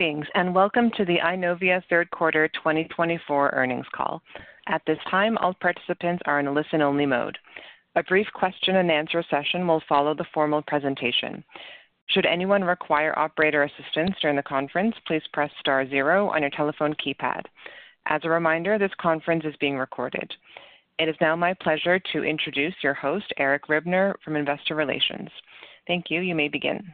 Welcome to the Eyenovia Third Quarter 2024 earnings call. At this time, all participants are in listen-only mode. A brief question-and-answer session will follow the formal presentation. Should anyone require operator assistance during the conference, please press star zero on your telephone keypad. As a reminder, this conference is being recorded. It is now my pleasure to introduce your host, Eric Ribner, from Investor Relations. Thank you. You may begin.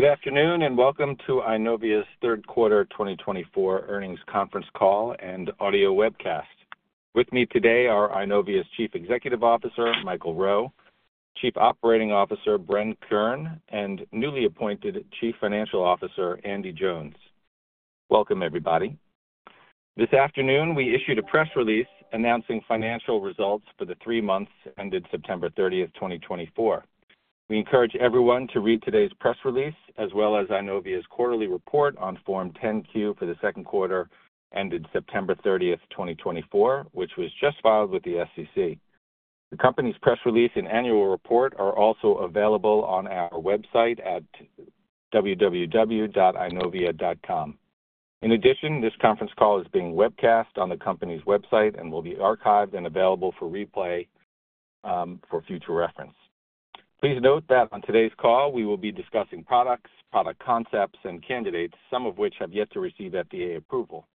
Good afternoon, and welcome to Eyenovia's Third Quarter 2024 earnings conference call and audio webcast. With me today are Eyenovia's Chief Executive Officer, Michael Rowe, Chief Operating Officer, Bren Kern, and newly appointed Chief Financial Officer, Andy Jones. Welcome, everybody. This afternoon, we issued a press release announcing financial results for the three months ended September 30, 2024. We encourage everyone to read today's press release, as well as Eyenovia's quarterly report on Form 10-Q for the second quarter ended September 30, 2024, which was just filed with the SEC. The company's press release and annual report are also available on our website at www.eyenovia.com. In addition, this conference call is being webcast on the company's website and will be archived and available for replay for future reference. Please note that on today's call, we will be discussing products, product concepts, and candidates, some of which have yet to receive FDA approval.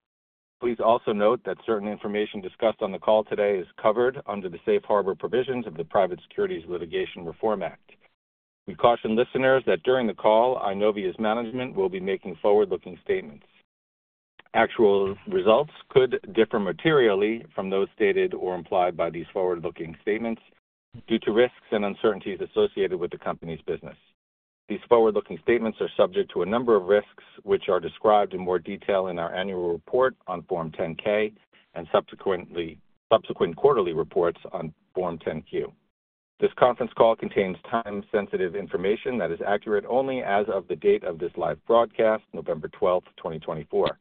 Please also note that certain information discussed on the call today is covered under the safe harbor provisions of the Private Securities Litigation Reform Act. We caution listeners that during the call, Eyenovia's management will be making forward-looking statements. Actual results could differ materially from those stated or implied by these forward-looking statements due to risks and uncertainties associated with the company's business. These forward-looking statements are subject to a number of risks, which are described in more detail in our annual report on Form 10-K and subsequent quarterly reports on Form 10-Q. This conference call contains time-sensitive information that is accurate only as of the date of this live broadcast, November 12, 2024.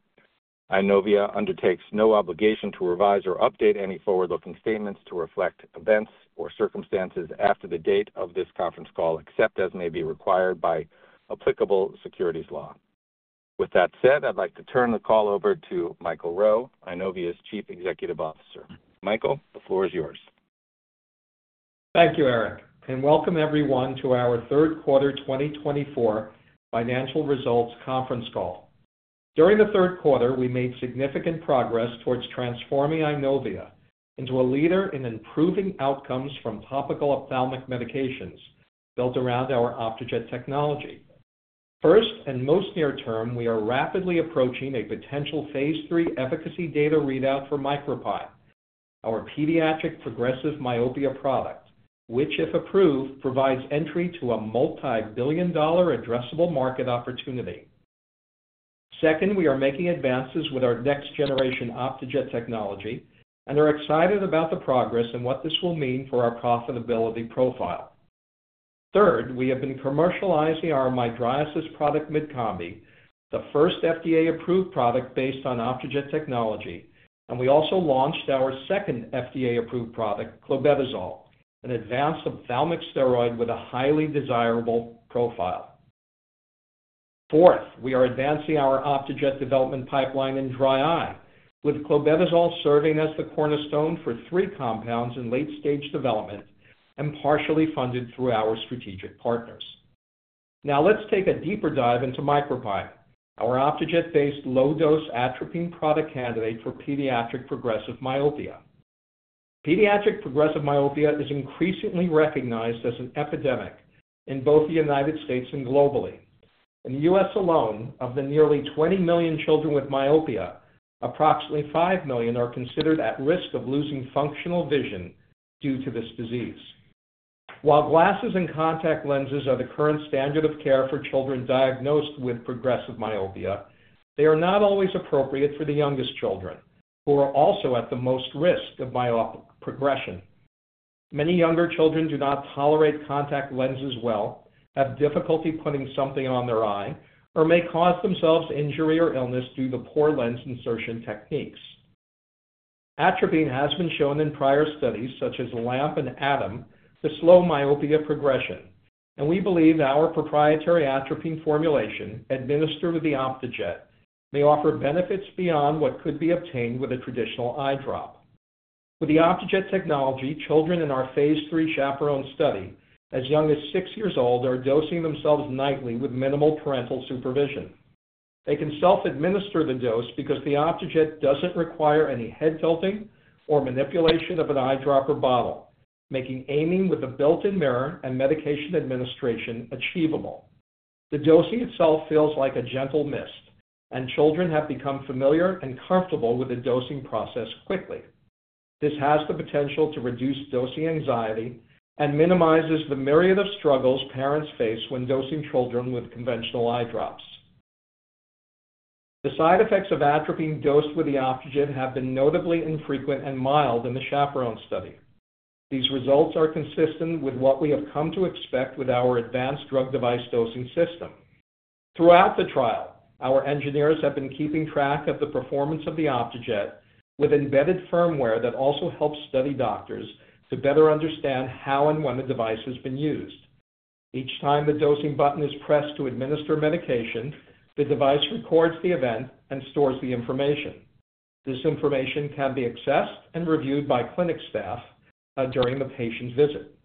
Eyenovia undertakes no obligation to revise or update any forward-looking statements to reflect events or circumstances after the date of this conference call, except as may be required by applicable securities law. With that said, I'd like to turn the call over to Michael Rowe, Eyenovia's Chief Executive Officer. Michael, the floor is yours. Thank you, Eric, and welcome, everyone, to our Third Quarter 2024 financial results conference call. During the third quarter, we made significant progress towards transforming Eyenovia into a leader in improving outcomes from topical ophthalmic medications built around our Optejet technology. First and most near term, we are rapidly approaching a potential Phase III efficacy data readout for MicroPine, our pediatric progressive myopia product, which, if approved, provides entry to a multi-billion-dollar addressable market opportunity. Second, we are making advances with our next-generation Optejet technology and are excited about the progress and what this will mean for our profitability profile. Third, we have been commercializing our mydriasis product, MydCombi, the first FDA-approved product based on Optejet technology, and we also launched our second FDA-approved product, clobetasol, an advanced ophthalmic steroid with a highly desirable profile. Fourth, we are advancing our Optejet development pipeline in dry eye, with clobetasol serving as the cornerstone for three compounds in late-stage development and partially funded through our strategic partners. Now, let's take a deeper dive into MicroPine, our Optejet-based low-dose atropine product candidate for pediatric progressive myopia. Pediatric progressive myopia is increasingly recognized as an epidemic in both the United States and globally. In the U.S. alone, of the nearly 20 million children with myopia, approximately 5 million are considered at risk of losing functional vision due to this disease. While glasses and contact lenses are the current standard of care for children diagnosed with progressive myopia, they are not always appropriate for the youngest children, who are also at the most risk of myopic progression. Many younger children do not tolerate contact lenses well, have difficulty putting something on their eye, or may cause themselves injury or illness due to poor lens insertion techniques. Atropine has been shown in prior studies, such as LAMP and ATOM, to slow myopia progression, and we believe our proprietary atropine formulation administered with the Optejet may offer benefits beyond what could be obtained with a traditional eye drop. With the Optejet technology, children in our Phase III CHAPERONE study, as young as six years old, are dosing themselves nightly with minimal parental supervision. They can self-administer the dose because the Optejet doesn't require any head tilting or manipulation of an eye drop or bottle, making aiming with a built-in mirror and medication administration achievable. The dosing itself feels like a gentle mist, and children have become familiar and comfortable with the dosing process quickly. This has the potential to reduce dosing anxiety and minimizes the myriad of struggles parents face when dosing children with conventional eye drops. The side effects of atropine dosed with the Optejet have been notably infrequent and mild in the CHAPERONE study. These results are consistent with what we have come to expect with our advanced drug device dosing system. Throughout the trial, our engineers have been keeping track of the performance of the Optejet with embedded firmware that also helps study doctors to better understand how and when a device has been used. Each time the dosing button is pressed to administer medication, the device records the event and stores the information. This information can be accessed and reviewed by clinic staff during the patient's visit.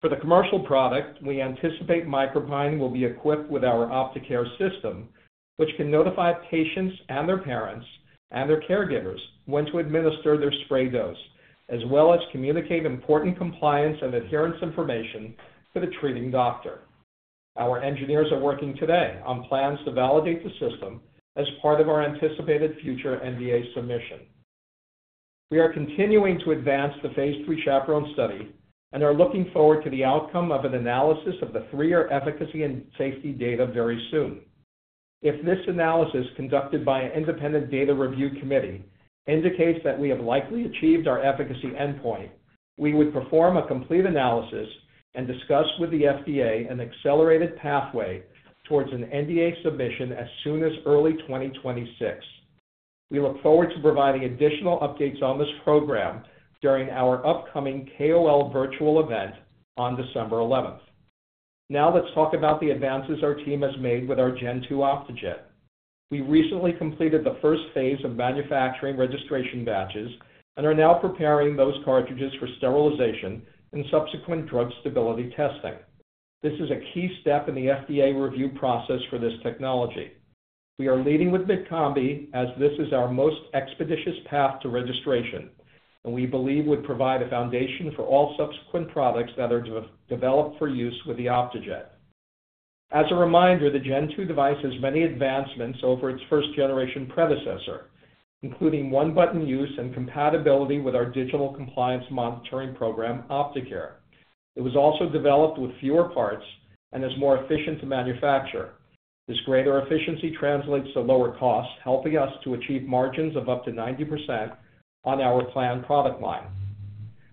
For the commercial product, we anticipate MicroPine will be equipped with our OpteCare system, which can notify patients and their parents and their caregivers when to administer their spray dose, as well as communicate important compliance and adherence information to the treating doctor. Our engineers are working today on plans to validate the system as part of our anticipated future NDA submission. We are continuing to advance the Phase III CHAPERONE study and are looking forward to the outcome of an analysis of the three-year efficacy and safety data very soon. If this analysis, conducted by an Independent Data Review Committee, indicates that we have likely achieved our efficacy endpoint, we would perform a complete analysis and discuss with the FDA an accelerated pathway towards an NDA submission as soon as early 2026. We look forward to providing additional updates on this program during our upcoming KOL virtual event on December 11. Now, let's talk about the advances our team has made with our Gen II Optejet. We recently completed the first phase of manufacturing registration batches and are now preparing those cartridges for sterilization and subsequent drug stability testing. This is a key step in the FDA review process for this technology. We are leading with MydCombi, as this is our most expeditious path to registration, and we believe it would provide a foundation for all subsequent products that are developed for use with the Optejet. As a reminder, the Gen II device has many advancements over its first-generation predecessor, including one-button use and compatibility with our digital compliance monitoring program, OpteCare. It was also developed with fewer parts and is more efficient to manufacture. This greater efficiency translates to lower costs, helping us to achieve margins of up to 90% on our planned product line.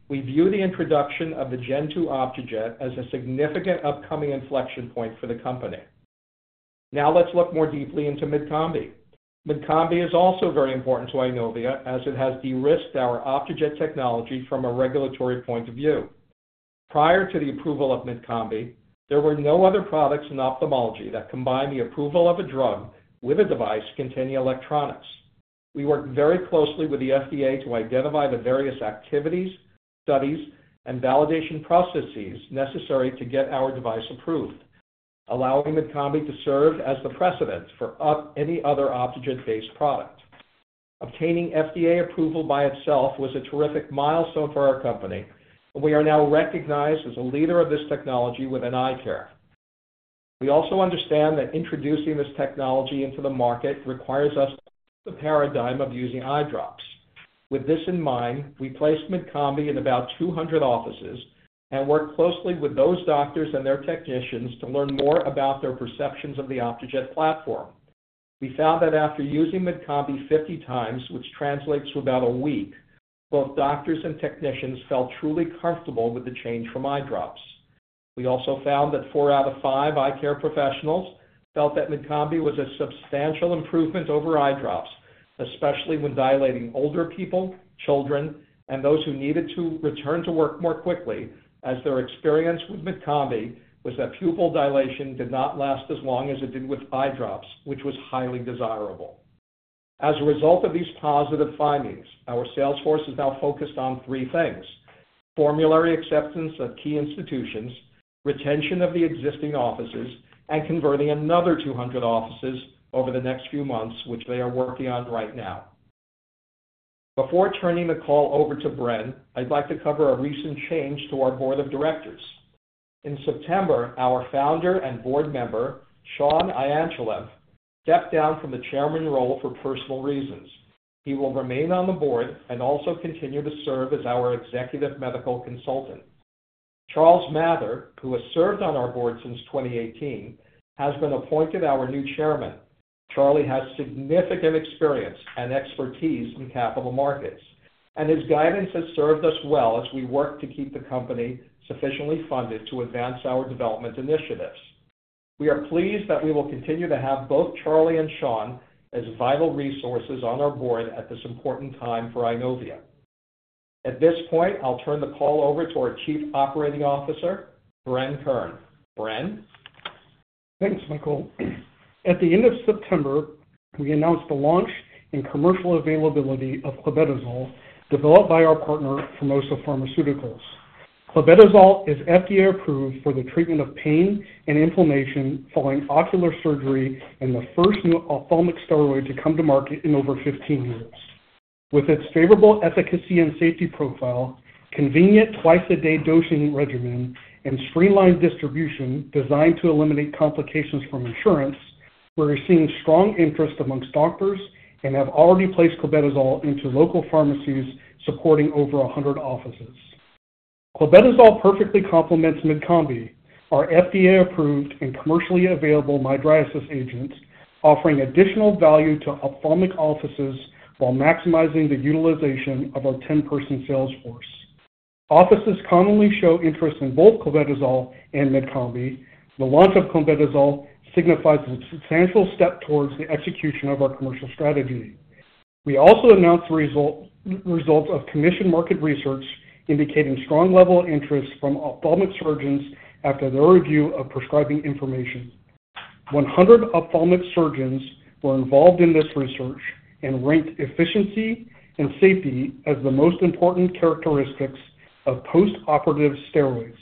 We view the introduction of the Gen II Optejet as a significant upcoming inflection point for the company. Now, let's look more deeply into MydCombi. MydCombi is also very important to Eyenovia, as it has de-risked our Optejet technology from a regulatory point of view. Prior to the approval of MydCombi, there were no other products in ophthalmology that combined the approval of a drug with a device containing electronics. We worked very closely with the FDA to identify the various activities, studies, and validation processes necessary to get our device approved, allowing MydCombi to serve as the precedent for any other Optejet-based product. Obtaining FDA approval by itself was a terrific milestone for our company, and we are now recognized as a leader of this technology with an eye care. We also understand that introducing this technology into the market requires us to use the paradigm of using eye drops. With this in mind, we placed MydCombi in about 200 offices and worked closely with those doctors and their technicians to learn more about their perceptions of the Optejet platform. We found that after using MydCombi 50 times, which translates to about a week, both doctors and technicians felt truly comfortable with the change from eye drops. We also found that four out of five eye care professionals felt that MydCombi was a substantial improvement over eye drops, especially when dilating older people, children, and those who needed to return to work more quickly, as their experience with MydCombi was that pupil dilation did not last as long as it did with eye drops, which was highly desirable. As a result of these positive findings, our sales force is now focused on three things: formulary acceptance at key institutions, retention of the existing offices, and converting another 200 offices over the next few months, which they are working on right now. Before turning the call over to Bren, I'd like to cover a recent change to our board of directors. In September, our founder and board member, Sean Ianchulev, stepped down from the chairman role for personal reasons. He will remain on the board and also continue to serve as our executive medical consultant. Charles Mather, who has served on our board since 2018, has been appointed our new chairman. Charlie has significant experience and expertise in capital markets, and his guidance has served us well as we work to keep the company sufficiently funded to advance our development initiatives. We are pleased that we will continue to have both Charlie and Sean as vital resources on our board at this important time for Eyenovia. At this point, I'll turn the call over to our Chief Operating Officer, Bren Kern. Bren? Thanks, Michael. At the end of September, we announced the launch and commercial availability of clobetasol, developed by our partner, Formosa Pharmaceuticals. Clobetasol is FDA-approved for the treatment of pain and inflammation following ocular surgery and the first new ophthalmic steroid to come to market in over 15 years. With its favorable efficacy and safety profile, convenient twice-a-day dosing regimen, and streamlined distribution designed to eliminate complications from insurance, we are seeing strong interest among doctors and have already placed clobetasol into local pharmacies supporting over 100 offices. Clobetasol perfectly complements MydCombi, our FDA-approved and commercially available mydriasis agents, offering additional value to ophthalmic offices while maximizing the utilization of our 10-person sales force. Offices commonly show interest in both clobetasol and MydCombi. The launch of clobetasol signifies a substantial step towards the execution of our commercial strategy. We also announced the results of commissioned market research indicating strong level of interest from ophthalmic surgeons after their review of prescribing information. 100 ophthalmic surgeons were involved in this research and ranked efficiency and safety as the most important characteristics of post-operative steroids.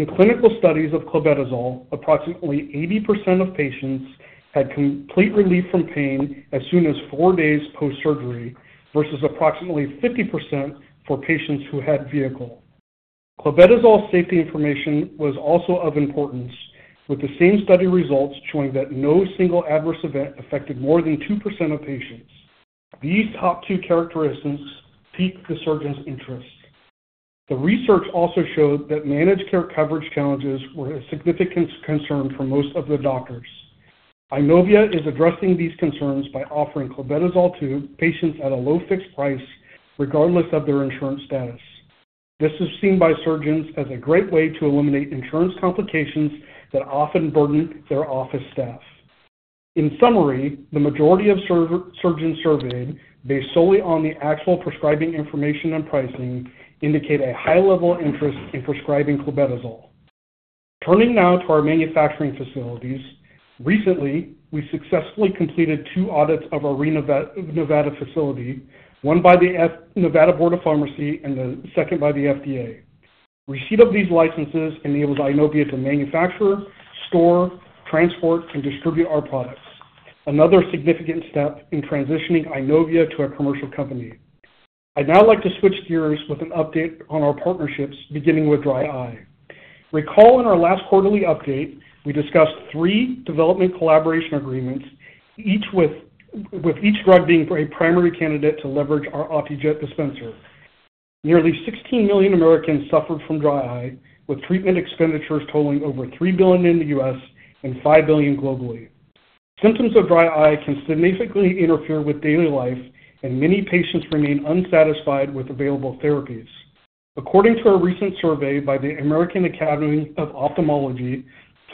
In clinical studies of clobetasol, approximately 80% of patients had complete relief from pain as soon as four days post-surgery versus approximately 50% for patients who had vehicle. Clobetasol safety information was also of importance, with the same study results showing that no single adverse event affected more than 2% of patients. These top two characteristics piqued the surgeons' interest. The research also showed that managed care coverage challenges were a significant concern for most of the doctors. Eyenovia is addressing these concerns by offering clobetasol to patients at a low fixed price, regardless of their insurance status. This is seen by surgeons as a great way to eliminate insurance complications that often burden their office staff. In summary, the majority of surgeons surveyed, based solely on the actual prescribing information and pricing, indicate a high level of interest in prescribing clobetasol. Turning now to our manufacturing facilities, recently, we successfully completed two audits of our Nevada facility, one by the Nevada Board of Pharmacy and the second by the FDA. Receipt of these licenses enables Eyenovia to manufacture, store, transport, and distribute our products, another significant step in transitioning Eyenovia to a commercial company. I'd now like to switch gears with an update on our partnerships, beginning with dry eye. Recall in our last quarterly update, we discussed three development collaboration agreements, each drug being a primary candidate to leverage our Optejet dispenser. Nearly 16 million Americans suffered from dry eye, with treatment expenditures totaling over $3 billion in the US and $5 billion globally. Symptoms of dry eye can significantly interfere with daily life, and many patients remain unsatisfied with available therapies. According to a recent survey by the American Academy of Ophthalmology,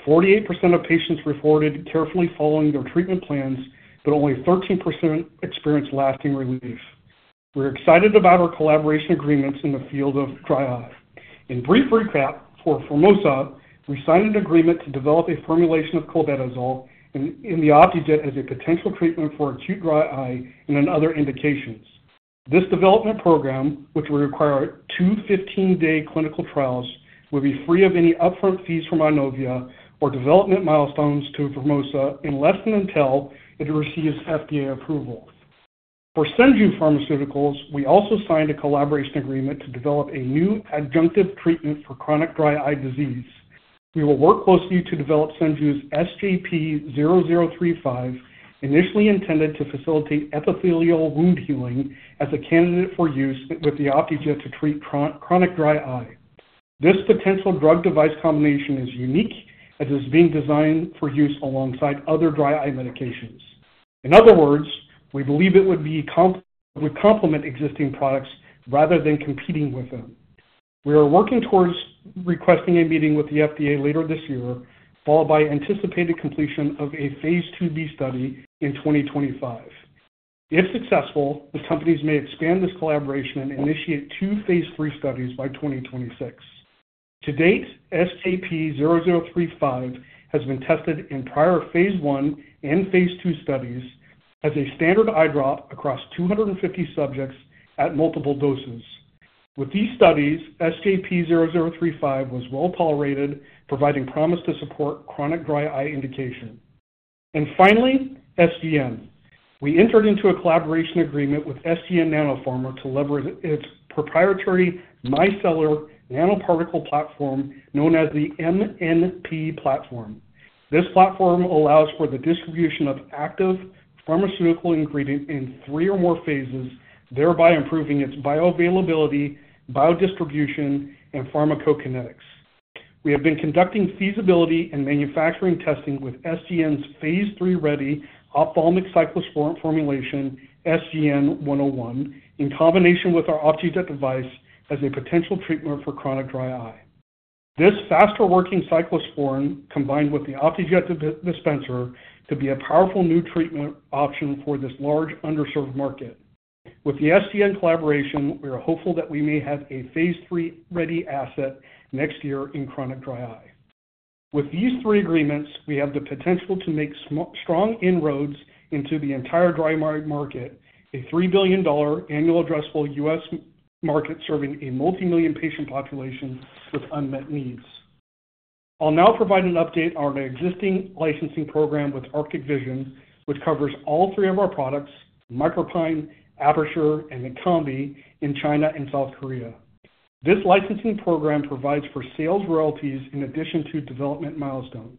48% of patients reported carefully following their treatment plans, but only 13% experienced lasting relief. We're excited about our collaboration agreements in the field of dry eye. In brief recap, for Formosa, we signed an agreement to develop a formulation of clobetasol in the Optejet as a potential treatment for acute dry eye and other indications. This development program, which will require two 15-day clinical trials, will be free of any upfront fees from Eyenovia or development milestones to Formosa unless and until it receives FDA approval. For Senju Pharmaceuticals, we also signed a collaboration agreement to develop a new adjunctive treatment for chronic dry eye disease. We will work closely to develop Senju's SGP-0035, initially intended to facilitate epithelial wound healing as a candidate for use with the Optejet to treat chronic dry eye. This potential drug-device combination is unique as it is being designed for use alongside other dry eye medications. In other words, we believe it would complement existing products rather than competing with them. We are working towards requesting a meeting with the FDA later this year, followed by anticipated completion of a Phase IIb study in 2025. If successful, the companies may expand this collaboration and initiate two Phase III studies by 2026. To date, SGP-0035 has been tested in prior phase I and phase II studies as a standard eye drop across 250 subjects at multiple doses. With these studies, SGP-0035 was well tolerated, providing promise to support chronic dry eye indication. And finally, SGN. We entered into a collaboration agreement with SGN Nanopharma to leverage its proprietary micellar nanoparticle platform known as the MNP platform. This platform allows for the distribution of active pharmaceutical ingredients in three or more phases, thereby improving its bioavailability, biodistribution, and pharmacokinetics. We have been conducting feasibility and manufacturing testing with SGN's Phase III-ready ophthalmic cyclosporine formulation, SGN-101, in combination with our Optejet device as a potential treatment for chronic dry eye. This faster-working cyclosporine, combined with the Optejet dispenser, could be a powerful new treatment option for this large underserved market. With the SGN collaboration, we are hopeful that we may have a Phase III-ready asset next year in chronic dry eye. With these three agreements, we have the potential to make strong inroads into the entire dry eye market, a $3 billion annual addressable US market serving a multi-million patient population with unmet needs. I'll now provide an update on our existing licensing program with Arctic Vision, which covers all three of our products, MicroPine, Aperture and MydCombi, in China and South Korea. This licensing program provides for sales royalties in addition to development milestones.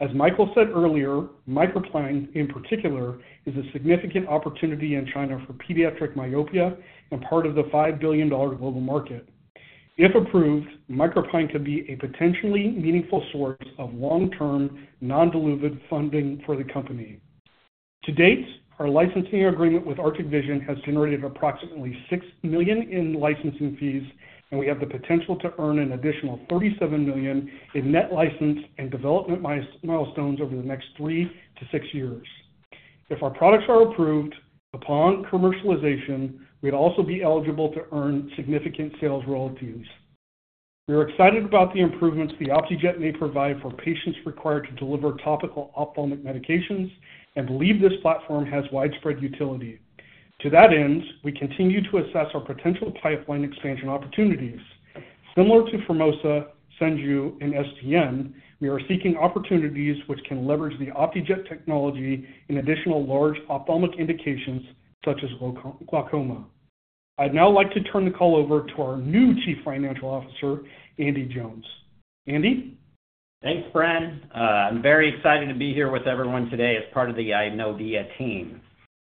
As Michael said earlier, MicroPine, in particular, is a significant opportunity in China for pediatric myopia and part of the $5 billion global market. If approved, MicroPine could be a potentially meaningful source of long-term non-dilutive funding for the company. To date, our licensing agreement with Arctic Vision has generated approximately $6 million in licensing fees, and we have the potential to earn an additional $37 million in net license and development milestones over the next three to six years. If our products are approved upon commercialization, we'd also be eligible to earn significant sales royalties. We are excited about the improvements the Optejet may provide for patients required to deliver topical ophthalmic medications and believe this platform has widespread utility. To that end, we continue to assess our potential pipeline expansion opportunities. Similar to Formosa, Senju, and SGN, we are seeking opportunities which can leverage the Optejet technology in additional large ophthalmic indications such as glaucoma. I'd now like to turn the call over to our new Chief Financial Officer, Andy Jones. Andy? Thanks, Bren. I'm very excited to be here with everyone today as part of the Eyenovia team.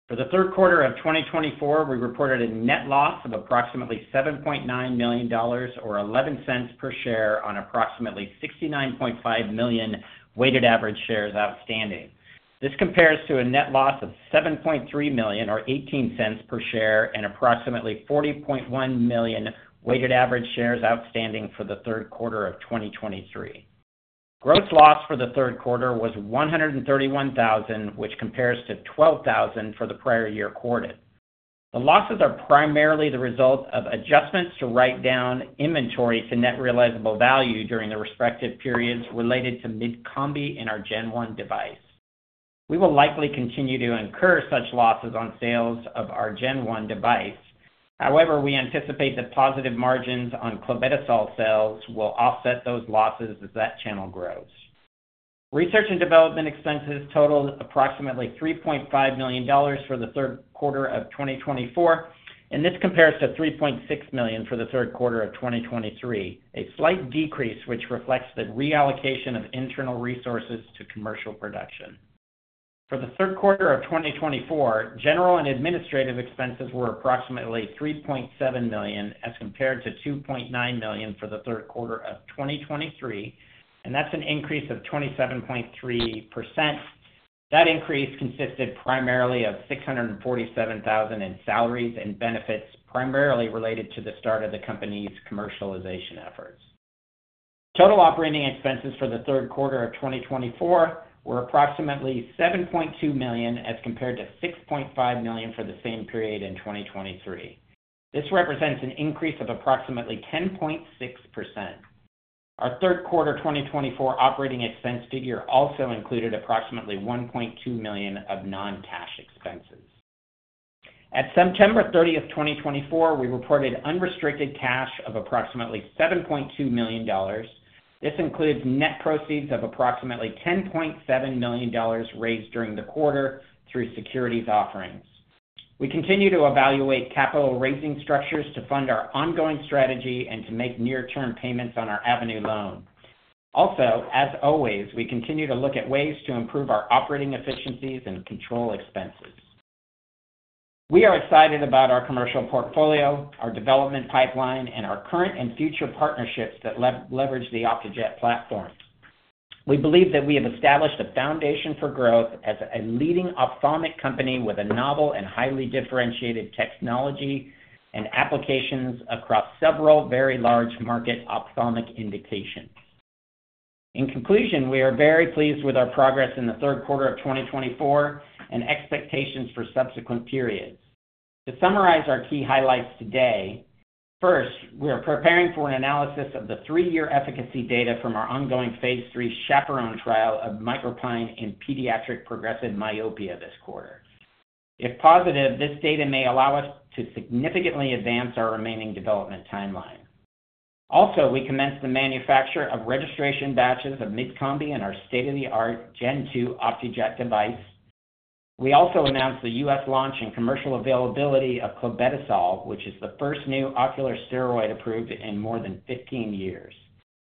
For the third quarter of 2024, we reported a net loss of approximately $7.9 million, or $0.11 per share, on approximately 69.5 million weighted average shares outstanding. This compares to a net loss of $7.3 million, or $0.18 per share, and approximately 40.1 million weighted average shares outstanding for the third quarter of 2023. Gross loss for the third quarter was $131,000, which compares to $12,000 for the prior year quarter. The losses are primarily the result of adjustments to write down inventory to net realizable value during the respective periods related to MydCombi and our Gen 1 device. We will likely continue to incur such losses on sales of our Gen 1 device. However, we anticipate that positive margins on clobetasol sales will offset those losses as that channel grows. Research and development expenses totaled approximately $3.5 million for the third quarter of 2024, and this compares to $3.6 million for the third quarter of 2023, a slight decrease which reflects the reallocation of internal resources to commercial production. For the third quarter of 2024, general and administrative expenses were approximately $3.7 million as compared to $2.9 million for the third quarter of 2023, and that's an increase of 27.3%. That increase consisted primarily of $647,000 in salaries and benefits primarily related to the start of the company's commercialization efforts. Total operating expenses for the third quarter of 2024 were approximately $7.2 million as compared to $6.5 million for the same period in 2023. This represents an increase of approximately 10.6%. Our third quarter 2024 operating expense figure also included approximately $1.2 million of non-cash expenses. At September 30, 2024, we reported unrestricted cash of approximately $7.2 million. This includes net proceeds of approximately $10.7 million raised during the quarter through securities offerings. We continue to evaluate capital raising structures to fund our ongoing strategy and to make near-term payments on our Avenue Loan. Also, as always, we continue to look at ways to improve our operating efficiencies and control expenses. We are excited about our commercial portfolio, our development pipeline, and our current and future partnerships that leverage the Optejet platform. We believe that we have established a foundation for growth as a leading ophthalmic company with a novel and highly differentiated technology and applications across several very large market ophthalmic indications. In conclusion, we are very pleased with our progress in the third quarter of 2024 and expectations for subsequent periods. To summarize our key highlights today, first, we are preparing for an analysis of the three-year efficacy data from our ongoing Phase III CHAPERONE trial of MicroPine in pediatric progressive myopia this quarter. If positive, this data may allow us to significantly advance our remaining development timeline. Also, we commenced the manufacture of registration batches of MydCombi and our state-of-the-art Gen 2 Optejet device. We also announced the US launch and commercial availability of clobetasol, which is the first new ocular steroid approved in more than 15 years.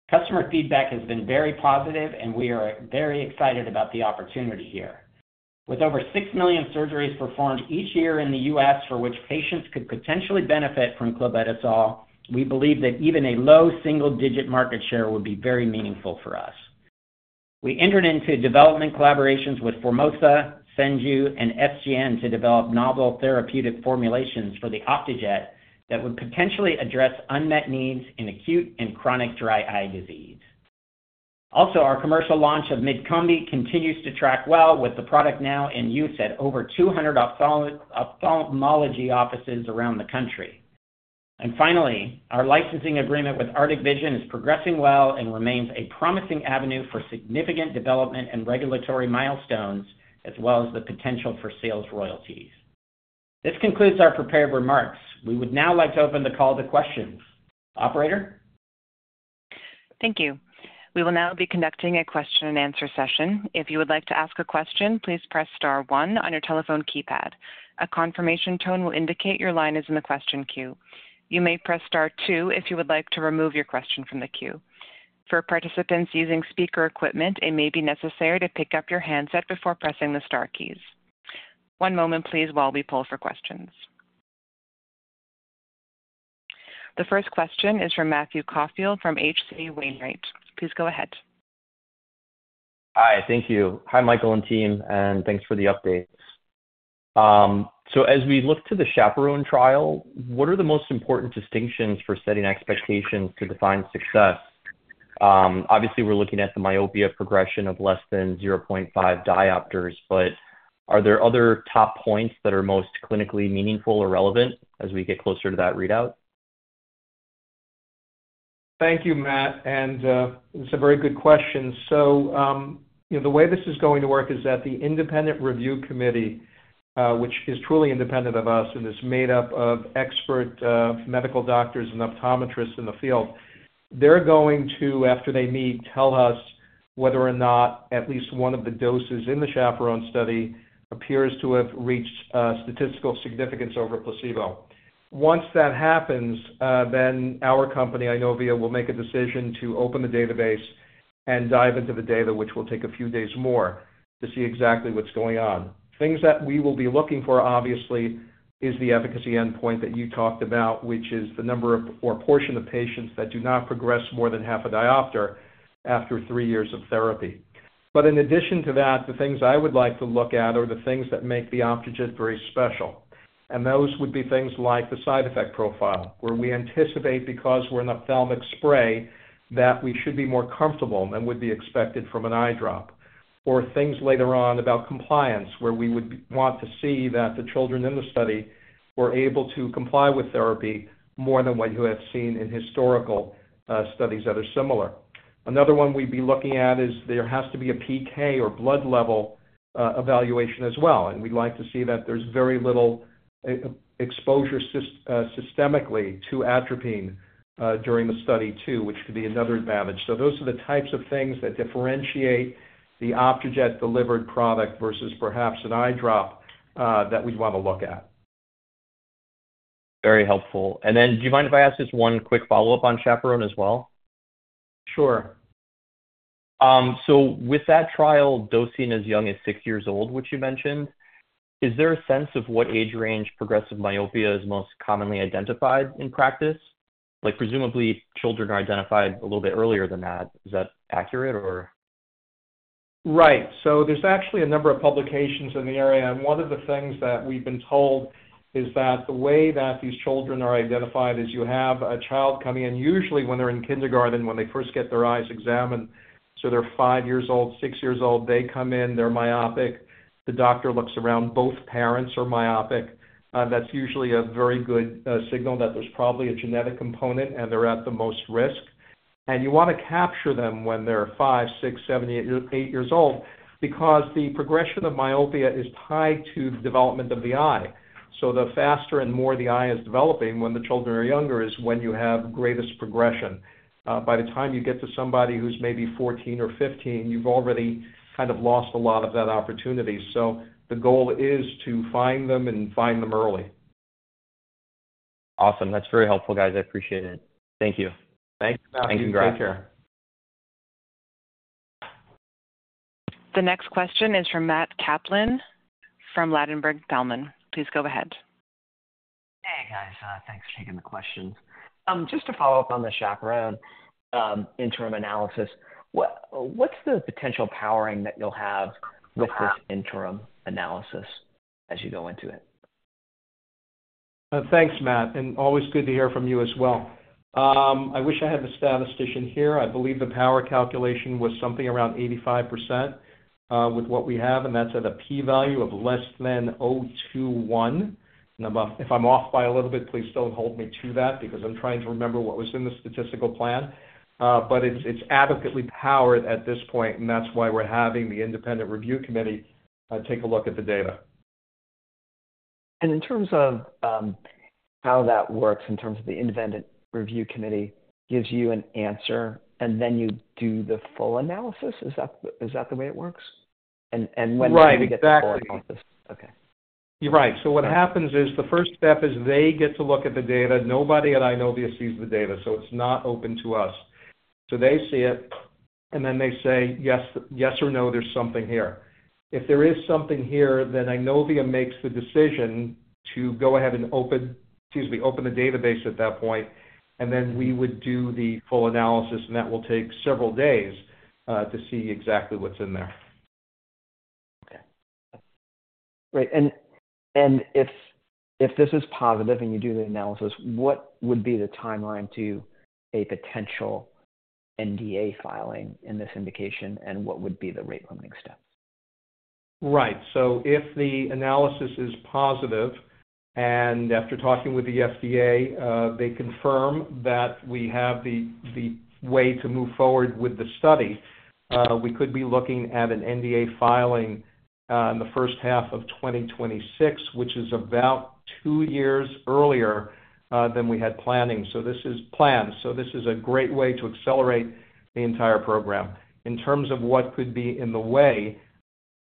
Customer feedback has been very positive, and we are very excited about the opportunity here. With over 6 million surgeries performed each year in the US for which patients could potentially benefit from clobetasol, we believe that even a low single-digit market share would be very meaningful for us. We entered into development collaborations with Formosa, Senju, and SGN to develop novel therapeutic formulations for the Optejet that would potentially address unmet needs in acute and chronic dry eye disease. Also, our commercial launch of MydCombi continues to track well with the product now in use at over 200 ophthalmology offices around the country. And finally, our licensing agreement with Arctic Vision is progressing well and remains a promising avenue for significant development and regulatory milestones, as well as the potential for sales royalties. This concludes our prepared remarks. We would now like to open the call to questions. Operator? Thank you. We will now be conducting a question-and-answer session. If you would like to ask a question, please press star one on your telephone keypad. A confirmation tone will indicate your line is in the question queue. You may press star two if you would like to remove your question from the queue. For participants using speaker equipment, it may be necessary to pick up your handset before pressing the Star keys. One moment, please, while we pull for questions. The first question is from Matthew Caufield from H.C. Wainwright. Please go ahead. Hi, thank you. Hi, Michael and team, and thanks for the update. So as we look to the CHAPERONE trial, what are the most important distinctions for setting expectations to define success? Obviously, we're looking at the myopia progression of less than 0.5 diopters, but are there other top points that are most clinically meaningful or relevant as we get closer to that readout? Thank you, Matt. And it's a very good question. So the way this is going to work is that the independent review committee, which is truly independent of us and is made up of expert medical doctors and optometrists in the field, they're going to, after they meet, tell us whether or not at least one of the doses in the CHAPERONE study appears to have reached statistical significance over placebo. Once that happens, then our company, Eyenovia, will make a decision to open the database and dive into the data, which will take a few days more to see exactly what's going on. Things that we will be looking for, obviously, is the efficacy endpoint that you talked about, which is the number or portion of patients that do not progress more than half a diopter after three years of therapy. In addition to that, the things I would like to look at are the things that make the Optejet very special. Those would be things like the side effect profile, where we anticipate, because we're an ophthalmic spray, that we should be more comfortable than would be expected from an eye drop. Things later on about compliance, where we would want to see that the children in the study were able to comply with therapy more than what you have seen in historical studies that are similar. Another one we'd be looking at is there has to be a PK or blood level evaluation as well. We'd like to see that there's very little exposure systemically to atropine during the study too, which could be another advantage. So those are the types of things that differentiate the Optejet-delivered product versus perhaps an eye drop that we'd want to look at. Very helpful. And then do you mind if I ask just one quick follow-up on Chaperone as well? Sure. So with that trial dosing as young as six years old, which you mentioned, is there a sense of what age range progressive myopia is most commonly identified in practice? Presumably, children are identified a little bit earlier than that. Is that accurate, or? Right. So there's actually a number of publications in the area. And one of the things that we've been told is that the way that these children are identified is you have a child coming in, usually when they're in kindergarten, when they first get their eyes examined. So they're five years old, six years old. They come in, they're myopic. The doctor looks around, both parents are myopic. That's usually a very good signal that there's probably a genetic component and they're at the most risk. And you want to capture them when they're five, six, seven, eight years old because the progression of myopia is tied to the development of the eye. So the faster and more the eye is developing when the children are younger is when you have greatest progression. By the time you get to somebody who's maybe 14 or 15, you've already kind of lost a lot of that opportunity. So the goal is to find them and find them early. Awesome. That's very helpful, guys. I appreciate it. Thank you. Thanks, Matthew. Thank you. Take care. The next question is from Matt Kaplan from Ladenburg Thalmann. Please go ahead. Hey, guys. Thanks for taking the questions. Just to follow up on the Chaperone interim analysis, what's the potential powering that you'll have with this interim analysis as you go into it? Thanks, Matt. And always good to hear from you as well. I wish I had the statistician here. I believe the power calculation was something around 85% with what we have, and that's at a p-value of less than 0.21. And if I'm off by a little bit, please don't hold me to that because I'm trying to remember what was in the statistical plan. But it's adequately powered at this point, and that's why we're having the independent review committee take a look at the data. And in terms of how that works, in terms of the independent review committee gives you an answer, and then you do the full analysis. Is that the way it works? And when do you get the full analysis? Right. Exactly. Okay. You're right. So what happens is the first step is they get to look at the data. Nobody at Eyenovia sees the data, so it's not open to us. So they see it, and then they say, "Yes or no, there's something here." If there is something here, then Eyenovia makes the decision to go ahead and open the database at that point, and then we would do the full analysis, and that will take several days to see exactly what's in there. Okay. Great. And if this is positive and you do the analysis, what would be the timeline to a potential NDA filing in this indication, and what would be the rate-limiting steps? Right. So if the analysis is positive and after talking with the FDA, they confirm that we have the way to move forward with the study, we could be looking at an NDA filing in the first half of 2026, which is about two years earlier than we had planned. So this is planned. So this is a great way to accelerate the entire program. In terms of what could be in the way,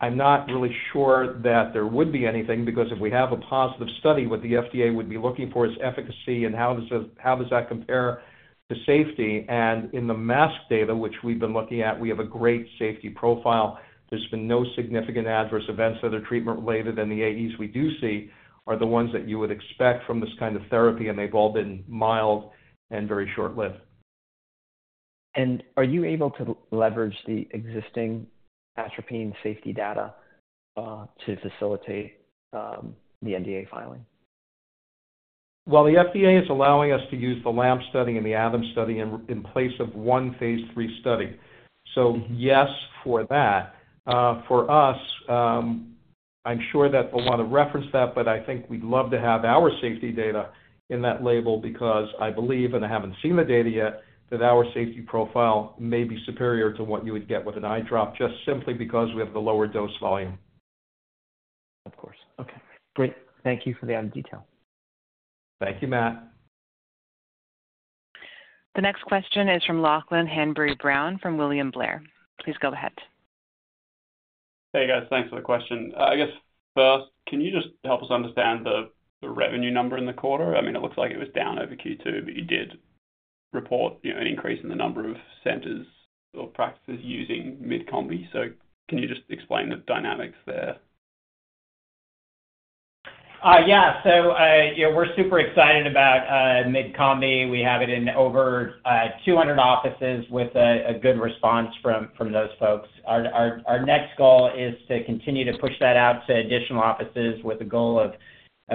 I'm not really sure that there would be anything because if we have a positive study, what the FDA would be looking for is efficacy and how does that compare to safety. And in the masked data, which we've been looking at, we have a great safety profile. There's been no significant adverse events that are treatment-related, and the AEs we do see are the ones that you would expect from this kind of therapy, and they've all been mild and very short-lived. Are you able to leverage the existing atropine safety data to facilitate the NDA filing? The FDA is allowing us to use the LAMP study and the ATOM study in place of one Phase III study. So yes for that. For us, I'm sure that they'll want to reference that, but I think we'd love to have our safety data in that label because I believe, and I haven't seen the data yet, that our safety profile may be superior to what you would get with an eye drop just simply because we have the lower dose volume. Of course. Okay. Great. Thank you for the detail. Thank you, Matt. The next question is from Lachlan Hanbury-Brown from William Blair. Please go ahead. Hey, guys. Thanks for the question. I guess first, can you just help us understand the revenue number in the quarter? I mean, it looks like it was down over Q2, but you did report an increase in the number of centers or practices using MydCombi. So can you just explain the dynamics there? Yeah. So we're super excited about MydCombi. We have it in over 200 offices with a good response from those folks. Our next goal is to continue to push that out to additional offices with a goal of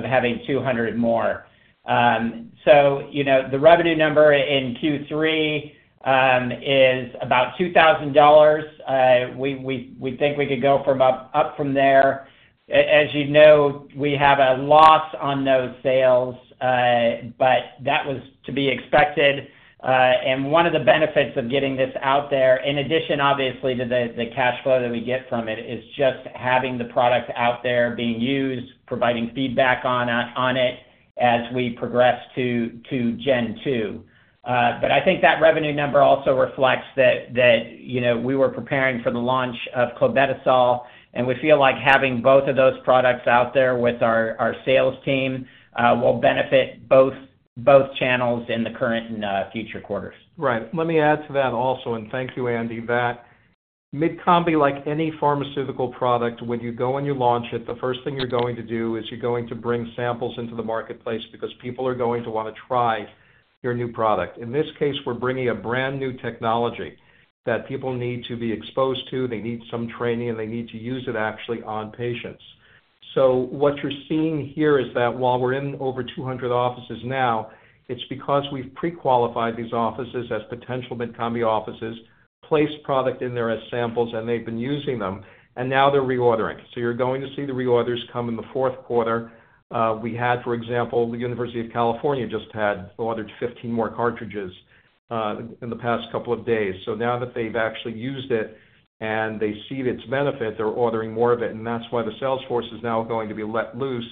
having 200 more. So the revenue number in Q3 is about $2,000. We think we could go up from there. As you know, we have a loss on those sales, but that was to be expected. And one of the benefits of getting this out there, in addition, obviously, to the cash flow that we get from it, is just having the product out there being used, providing feedback on it as we progress to Gen 2. But I think that revenue number also reflects that we were preparing for the launch of clobetasol, and we feel like having both of those products out there with our sales team will benefit both channels in the current and future quarters. Right. Let me add to that also, and thank you, Andy, that MydCombi, like any pharmaceutical product, when you go and you launch it, the first thing you're going to do is you're going to bring samples into the marketplace because people are going to want to try your new product. In this case, we're bringing a brand new technology that people need to be exposed to. They need some training, and they need to use it actually on patients. So what you're seeing here is that while we're in over 200 offices now, it's because we've pre-qualified these offices as potential MydCombi offices, placed product in there as samples, and they've been using them, and now they're reordering. So you're going to see the reorders come in the fourth quarter. We had, for example, the University of California just had ordered 15 more cartridges in the past couple of days. So now that they've actually used it and they see its benefit, they're ordering more of it. And that's why the sales force is now going to be let loose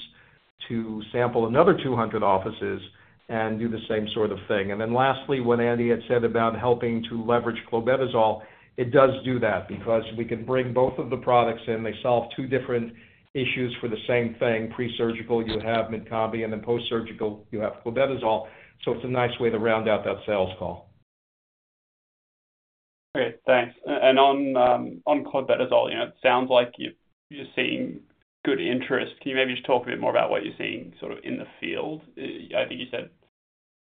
to sample another 200 offices and do the same sort of thing. And then lastly, what Andy had said about helping to leverage clobetasol, it does do that because we can bring both of the products in. They solve two different issues for the same thing. Pre-surgical, you have MydCombi, and then post-surgical, you have clobetasol. So it's a nice way to round out that sales call. Great. Thanks. And on clobetasol, it sounds like you're seeing good interest. Can you maybe just talk a bit more about what you're seeing sort of in the field? I think you said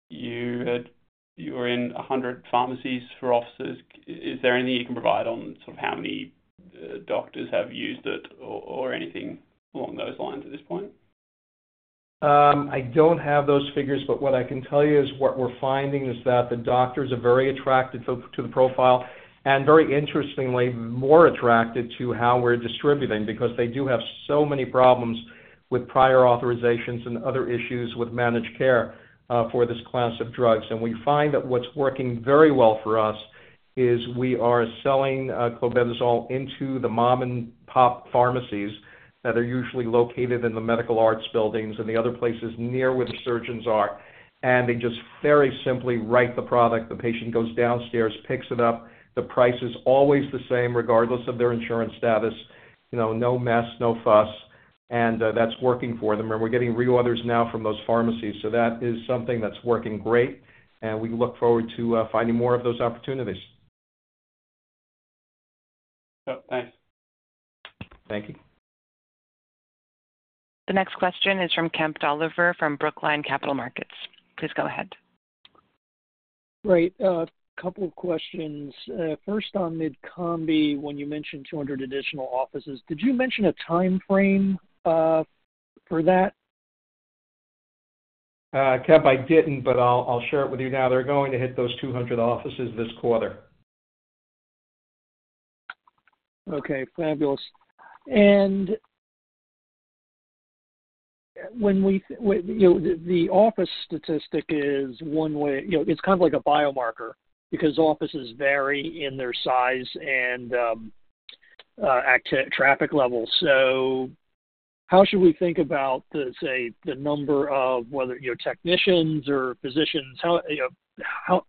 you were in 100 pharmacies or offices. Is there anything you can provide on sort of how many doctors have used it or anything along those lines at this point? I don't have those figures, but what I can tell you is what we're finding is that the doctors are very attracted to the profile and, very interestingly, more attracted to how we're distributing because they do have so many problems with prior authorizations and other issues with managed care for this class of drugs, and we find that what's working very well for us is we are selling clobetasol into the mom-and-pop pharmacies that are usually located in the medical arts buildings and the other places near where the surgeons are, and they just very simply write the product. The patient goes downstairs, picks it up. The price is always the same regardless of their insurance status. No mess, no fuss, and that's working for them, and we're getting reorders now from those pharmacies. So that is something that's working great, and we look forward to finding more of those opportunities. Thanks. Thank you. The next question is from Kemp Dolliver from Brookline Capital Markets. Please go ahead. Right. A couple of questions. First, on MydCombi, when you mentioned 200 additional offices, did you mention a timeframe for that? Kemp, I didn't, but I'll share it with you now. They're going to hit those 200 offices this quarter. Okay. Fabulous. The office statistic is one way it's kind of like a biomarker because offices vary in their size and traffic level. How should we think about, say, the number of whether technicians or physicians? How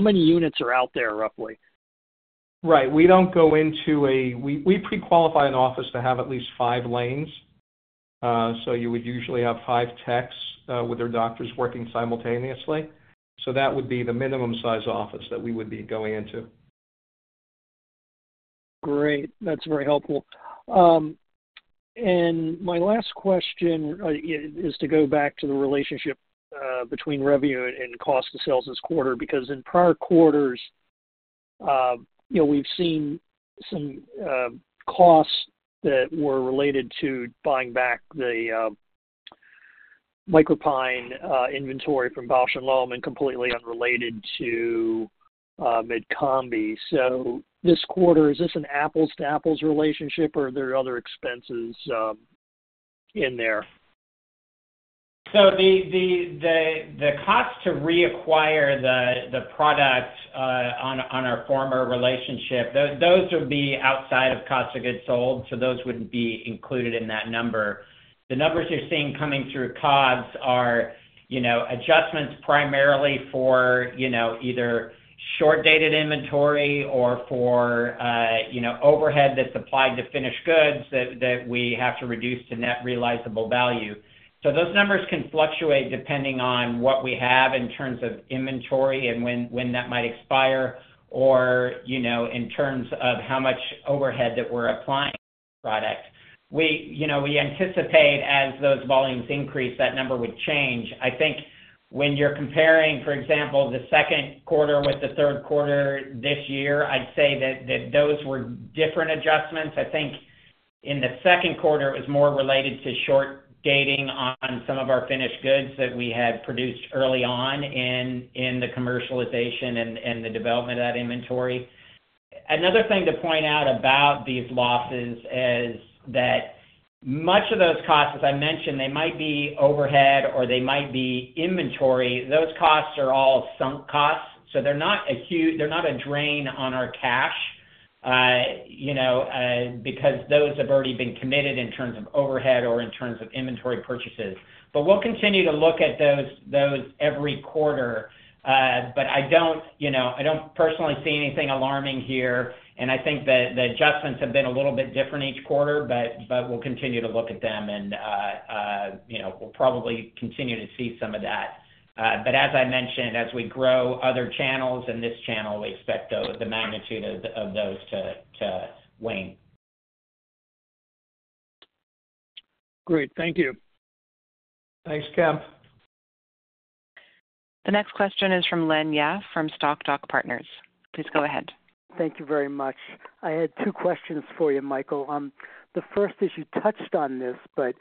many units are out there, roughly? Right. We don't go into a we pre-qualify an office to have at least five lanes, so you would usually have five techs with their doctors working simultaneously, so that would be the minimum size office that we would be going into. Great. That's very helpful. And my last question is to go back to the relationship between revenue and cost of sales this quarter because in prior quarters, we've seen some costs that were related to buying back the MicroPine inventory from Bausch + Lomb and completely unrelated to MydCombi. So this quarter, is this an apples-to-apples relationship, or are there other expenses in there? The cost to reacquire the product on our former relationship would be outside of cost of goods sold, so those wouldn't be included in that number. The numbers you're seeing coming through COGS are adjustments primarily for either short-dated inventory or for overhead that's applied to finished goods that we have to reduce to net realizable value. Those numbers can fluctuate depending on what we have in terms of inventory and when that might expire or in terms of how much overhead that we're applying to the product. We anticipate, as those volumes increase, that number would change. I think when you're comparing, for example, the second quarter with the third quarter this year, I'd say that those were different adjustments. I think in the second quarter, it was more related to short-dating on some of our finished goods that we had produced early on in the commercialization and the development of that inventory. Another thing to point out about these losses is that much of those costs, as I mentioned, they might be overhead or they might be inventory. Those costs are all sunk costs. So they're not a drain on our cash because those have already been committed in terms of overhead or in terms of inventory purchases. But we'll continue to look at those every quarter. But I don't personally see anything alarming here, and I think that the adjustments have been a little bit different each quarter, but we'll continue to look at them, and we'll probably continue to see some of that. But as I mentioned, as we grow other channels and this channel, we expect the magnitude of those to wane. Great. Thank you. Thanks, Kenp. The next question is from Len Yaffe from Stoc*Doc Partners. Please go ahead. Thank you very much. I had two questions for you, Michael. The first is you touched on this, but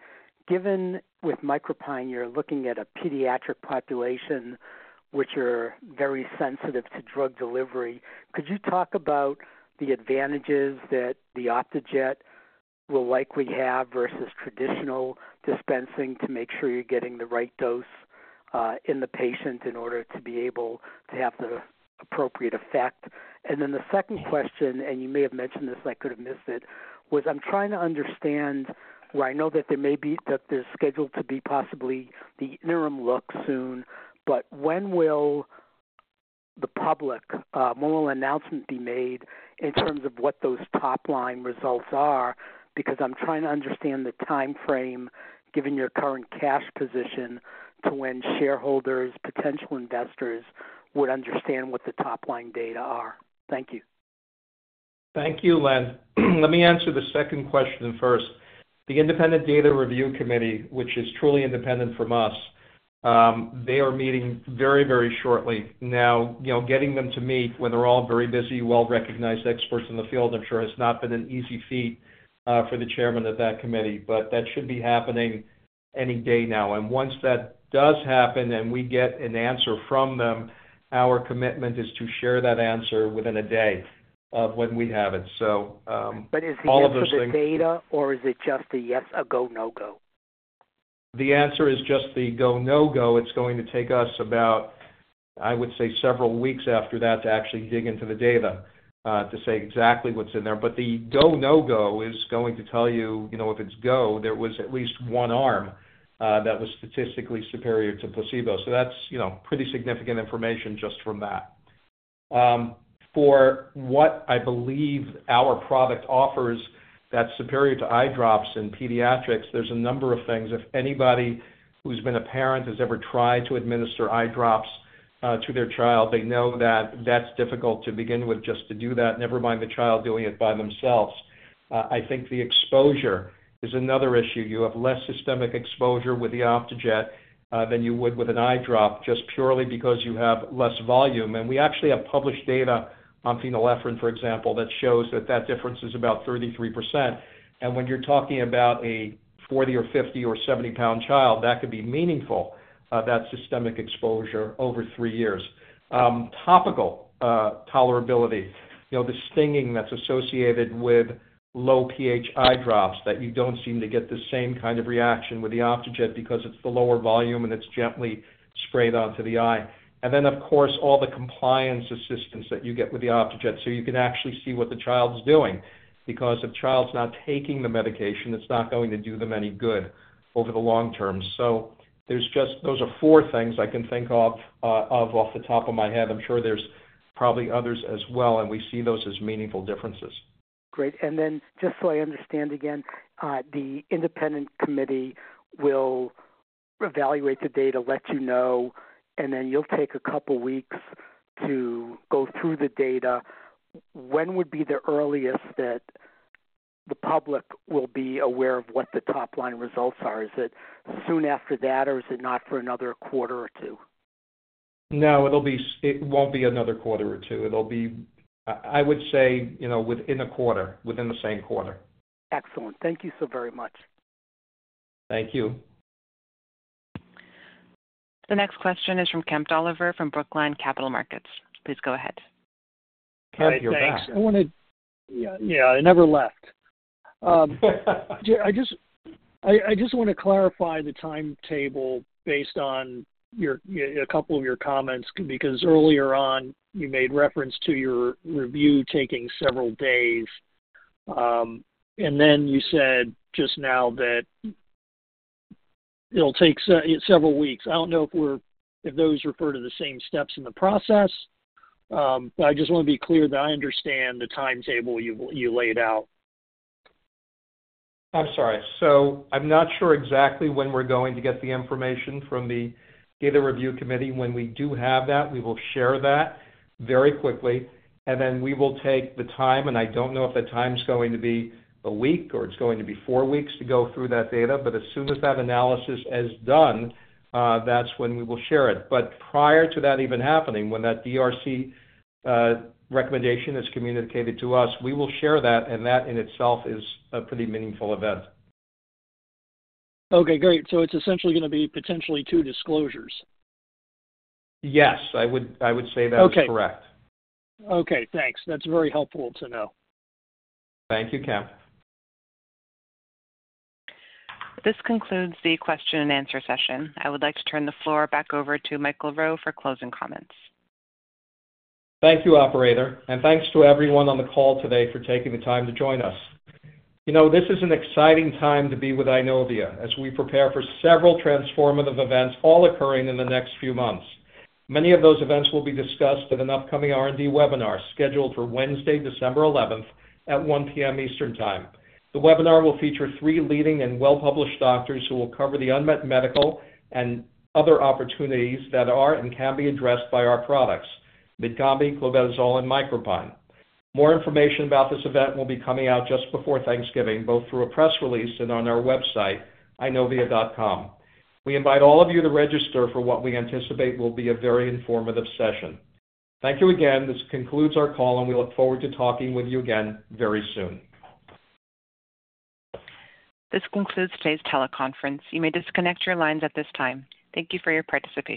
given with MicroPine, you're looking at a pediatric population, which are very sensitive to drug delivery. Could you talk about the advantages that the Optejet will likely have versus traditional dispensing to make sure you're getting the right dose in the patient in order to be able to have the appropriate effect? And then the second question, and you may have mentioned this and I could have missed it, was I'm trying to understand, where I know that there may be there's scheduled to be possibly the interim look soon, but when will the public, when will an announcement be made in terms of what those top-line results are? Because I'm trying to understand the timeframe, given your current cash position, to when shareholders, potential investors, would understand what the top-line data are? Thank you. Thank you, Len. Let me answer the second question first. The Independent Data Review Committee, which is truly independent from us, they are meeting very, very shortly. Now, getting them to meet when they're all very busy, well-recognized experts in the field, I'm sure, has not been an easy feat for the chairman of that committee, but that should be happening any day now. And once that does happen and we get an answer from them, our commitment is to share that answer within a day of when we have it. So all of those things. But is he into the data, or is it just a yes, a go, no-go? The answer is just the go, no-go. It's going to take us about, I would say, several weeks after that to actually dig into the data to say exactly what's in there but the go, no-go is going to tell you if it's go, there was at least one arm that was statistically superior to placebo so that's pretty significant information just from that. For what I believe our product offers that's superior to eye drops in pediatrics, there's a number of things. If anybody who's been a parent has ever tried to administer eye drops to their child, they know that that's difficult to begin with just to do that, never mind the child doing it by themselves. I think the exposure is another issue. You have less systemic exposure with the Optejet than you would with an eye drop just purely because you have less volume. And we actually have published data on phenylephrine, for example, that shows that that difference is about 33%. And when you're talking about a 40 or 50 or 70-pound child, that could be meaningful, that systemic exposure over three years. Topical tolerability, the stinging that's associated with low pH eye drops, that you don't seem to get the same kind of reaction with the Optejet because it's the lower volume and it's gently sprayed onto the eye. And then, of course, all the compliance assistance that you get with the Optejet. So you can actually see what the child's doing because if the child's not taking the medication, it's not going to do them any good over the long term. So those are four things I can think of off the top of my head. I'm sure there's probably others as well, and we see those as meaningful differences. Great. And then just so I understand again, the Independent Committee will evaluate the data, let you know, and then you'll take a couple of weeks to go through the data. When would be the earliest that the public will be aware of what the top-line results are? Is it soon after that, or is it not for another quarter or two? No, it won't be another quarter or two. It'll be, I would say, within a quarter, within the same quarter. Excellent. Thank you so very much. Thank you. The next question is from Kemp Dolliver from Brookline Capital Markets. Please go ahead. Kemp, you're back. Thanks. Yeah. I never left. I just want to clarify the timetable based on a couple of your comments because earlier on, you made reference to your review taking several days, and then you said just now that it'll take several weeks. I don't know if those refer to the same steps in the process, but I just want to be clear that I understand the timetable you laid out. I'm sorry. So I'm not sure exactly when we're going to get the information from the Data Review Committee. When we do have that, we will share that very quickly. And then we will take the time, and I don't know if the time's going to be a week or it's going to be four weeks to go through that data. But as soon as that analysis is done, that's when we will share it. But prior to that even happening, when that DRC recommendation is communicated to us, we will share that, and that in itself is a pretty meaningful event. Okay. Great. So it's essentially going to be potentially two disclosures? Yes. I would say that's correct. Okay. Thanks. That's very helpful to know. Thank you, Kemp. This concludes the question-and-answer session. I would like to turn the floor back over to Michael Rowe for closing comments. Thank you Operator, and thanks to everyone on the call today for taking the time to join us. This is an exciting time to be with Eyenovia as we prepare for several transformative events all occurring in the next few months. Many of those events will be discussed at an upcoming R&D webinar scheduled for Wednesday, December 11th at 1:00 P.M. Eastern Time. The webinar will feature three leading and well-published doctors who will cover the unmet medical and other opportunities that are and can be addressed by our products, MydCombi, clobetasol, and MicroPine. More information about this event will be coming out just before Thanksgiving, both through a press release and on our website, eyenovia.com. We invite all of you to register for what we anticipate will be a very informative session. Thank you again. This concludes our call, and we look forward to talking with you again very soon. This concludes today's teleconference. You may disconnect your lines at this time. Thank you for your participation.